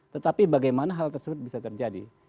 tetapi bagaimana hal tersebut bisa terjadi